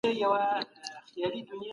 تاریخ موږ ته د راتلونکي لپاره درس راکوي.